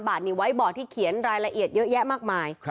บาทนี้ไว้บ่อที่เขียนรายละเอียดเยอะแยะมากมาย